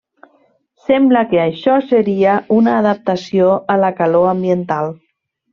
Sembla que això seria una adaptació a la calor ambiental.